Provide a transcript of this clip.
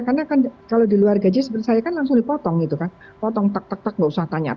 karena kalau di luar gaji seperti saya kan langsung dipotong potong tak tak tak tidak usah tanya